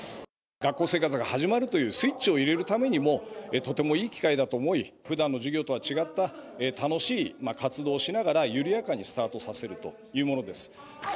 学校生活が始まるというスイッチを入れるためにもとてもいい機会だと思い、ふだんの授業とは違った楽しい活動をしながら、緩やかにスタートさせるというものです。